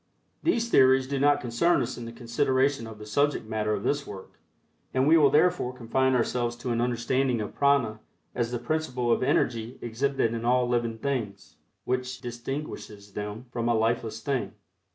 These theories do not concern us in the consideration of the subject matter of this work, and we will therefore confine ourselves to an understanding of prana as the principle of energy exhibited in all living things, which distinguishes them from a lifeless thing.